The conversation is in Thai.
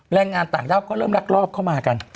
แรงงานต่างด้าวก็เริ่มรักรอบเข้ามากัน